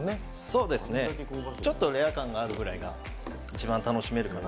そうですね、ちょっとレア感があるぐらいが一番楽しめるかな。